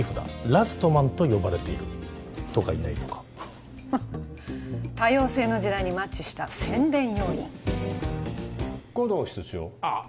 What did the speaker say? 「ラストマン」と呼ばれているとかいないとかフンッはっ多様性の時代にマッチした宣伝要員護道室長ああ